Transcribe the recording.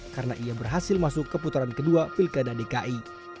karena ia berhasil masuk ke putaran kedua pilkada dki